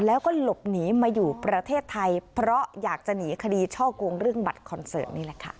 แล้วก็หลบหนีมาอยู่ประเทศไทยเพราะอยากจะหนีคดีช่อกงเรื่องบัตรคอนเสิร์ตนี่แหละค่ะ